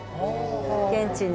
現地に。